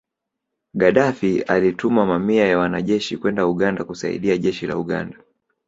Gadaffi alituma mamia ya wanajeshi kwenda Uganda kusaidia Jeshi la Uganda